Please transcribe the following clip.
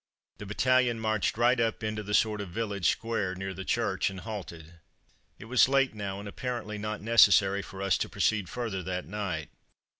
The battalion marched right up into the sort of village square near the church and halted. It was late now, and apparently not necessary for us to proceed further that night.